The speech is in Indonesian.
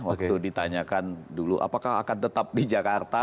waktu ditanyakan dulu apakah akan tetap di jakarta